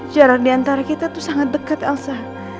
jarak diantara kita tuh sangat dekat elsa